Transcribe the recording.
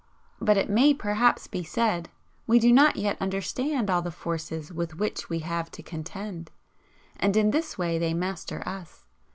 But it may perhaps be said: "We do not yet understand all the forces with which we have to contend, and in this way they master us."